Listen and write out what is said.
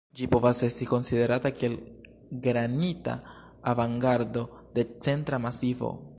Ĝi povas esti konsiderata kiel granita avangardo de Centra Masivo.